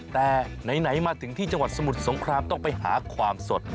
แต่ไหนมาถึงที่จังหวัดสมุทรสงครามต้องไปหาความสด